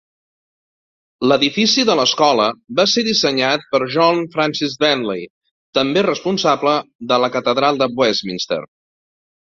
L'edifici de l'escola va ser dissenyat per John Francis Bentley, també responsable de la catedral de Westminster.